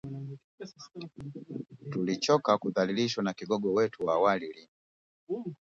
Tulichoka kudhalilishwa na Kigogo wetu wa awali, Lindi